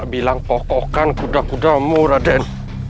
bilang pokok kan kuda kuda murah dan